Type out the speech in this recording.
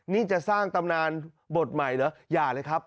นี่จะสร้างตำนานบทใหม่เหรออย่าเลยครับ